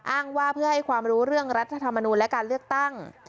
อ้างว่าเพื่อให้ความรู้เรื่องรัฐธรรมนูลและการเลือกตั้ง